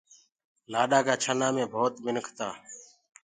گھوٽو ڇنآ مي ڀوت منک تآ